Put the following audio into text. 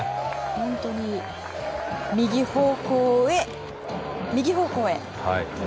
本当に右方向へ、右方向へと。